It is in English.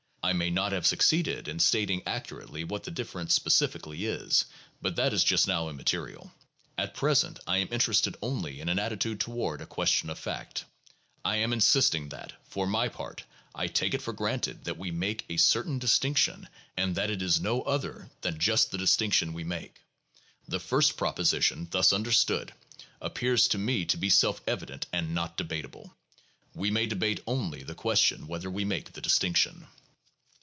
I may not have succeeded in stating accurately what the difference specifically is, but that is just now immaterial. At present, I am interested only in an attitude toward a question of fact. I am insisting that, for my part, I take it for granted that we make a certain distinction and that it is no other than just the distinction we make. The first proposition, thus understood, appears to me to be self evident and not debatable. We may debate only the question whether we make the distinction.